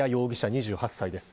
２８歳です。